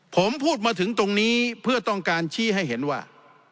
ผมพูดมาถึงตรงนี้เพื่อต้องการชี้ให้เห็นว่า